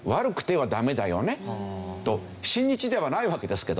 と親日ではないわけですけど。